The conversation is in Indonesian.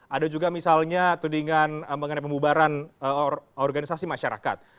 ada juga misalnya tudingan mengenai pembubaran organisasi masyarakat